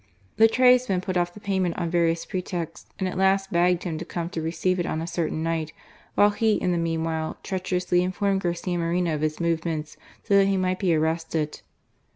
The tradesman put off the payment on various pretexts, and at last begged him to come to receive it on a certain night ; while he, in the mean* while, treacherously informed Garcia Moreno of bis movements, so that he might be arrested.